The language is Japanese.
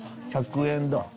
１００円だ。